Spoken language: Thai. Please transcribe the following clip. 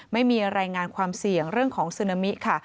ไม่มีรายงานความเสี่ยงเรื่องของซึนามิค่ะ